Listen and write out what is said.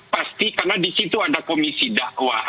pasti karena di situ ada komisi dakwah